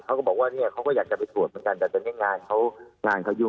เขาก็บอกว่านี่เขาก็อยากจะไปตรวจกัน